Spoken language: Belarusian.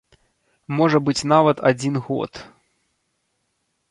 Можа быць нават адзін год.